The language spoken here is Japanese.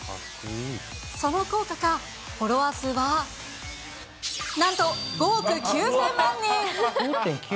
その効果か、フォロワー数はなんと５億９０００万人。